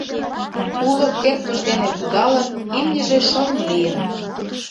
Уло кертмыж дене кудалын, имньыже шоҥ лийын.